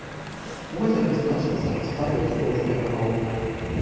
Возера значна зарастае ўздоўж берагоў.